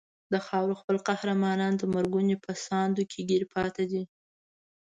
د خاورې خپل قهرمانان د مرګونو په ساندو کې ګیر پاتې دي.